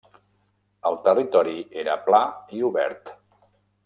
El territori era pla i obert.